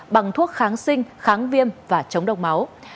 bằng thuốc kháng sinh kháng viêm và chống độc máu